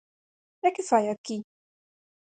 E que fai aquí?